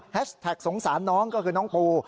แท็กสงสารน้องก็คือน้องปู